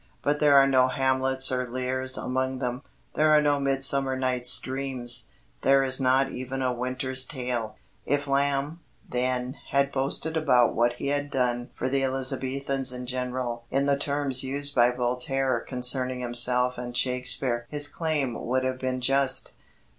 But there are no Hamlets or Lears among them. There are no Midsummer Night's Dreams. There is not even a Winter's Tale. If Lamb, then, had boasted about what he had done for the Elizabethans in general in the terms used by Voltaire concerning himself and Shakespeare his claim would have been just.